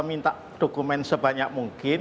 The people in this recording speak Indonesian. minta dokumen sebanyak mungkin